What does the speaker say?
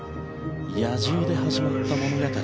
野獣で始まった物語。